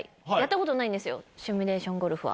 シミュレーションゴルフは。